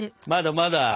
まだまだ。